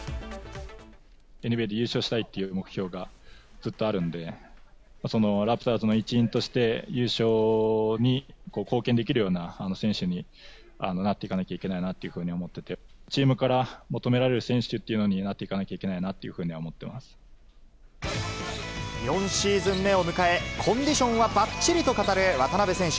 ＮＢＡで優勝したいっていう目標がずっとあるので、そのラプターズの一員として、優勝に貢献できるような選手になっていかなきゃいけないなっていうふうに思ってて、チームから求められる選手っていうのになっていかなきゃいけない４シーズン目を迎え、コンディションはばっちりと語る渡邊選手。